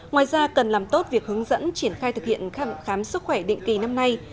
ngoài ra cần làm tốt việc hướng dẫn triển khai thực hiện khám sức khỏe định kỳ năm nay